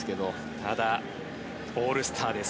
ただ、オールスターです。